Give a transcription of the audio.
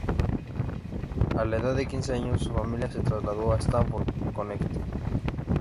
A la edad de quince años, su familia se trasladó a Stamford, Connecticut.